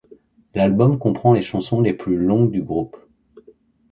L'album comprend les chansons les plus longues du groupe.